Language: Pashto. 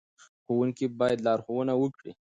ښوونکي باید لارښوونه وکړي.